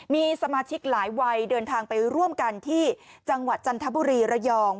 มีสมาชิกหลายวัยเดินทางไปร่วมกันที่จังหวัดจันทบุรีระยอง